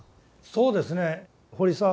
そうですね堀澤